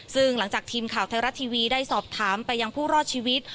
ซึ่งหลังจากทีมข่าวไทยรัฐทีวีได้สอบถามไปยังผู้รอดชีวิต